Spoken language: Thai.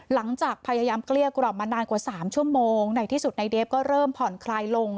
หลังจากพยายามเกลี้ยกล่อมมานานกว่า๓ชั่วโมงในที่สุดในเดฟก็เริ่มผ่อนคลายลง